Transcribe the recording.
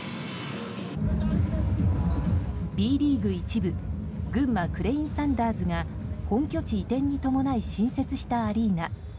Ｂリーグ１部群馬クレインサンダーズが本拠地移転に伴い新設したアリーナ。